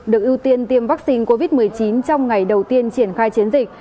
được ưu tiên tiêm vaccine covid một mươi chín trong ngày đầu tiên triển khai chiến dịch